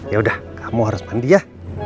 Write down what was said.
ya udah kamu harus mandi ya